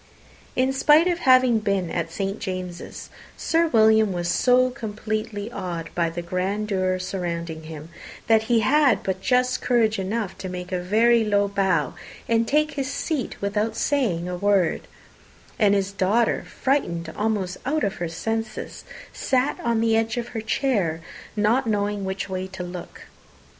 In spite of having been at St. James's, Sir William was so completely awed by the grandeur surrounding him, that he had but just courage enough to make a very low bow, and take his seat without saying a word; and his daughter, frightened almost out of her senses, sat on the edge of her chair, not knowing which way to look.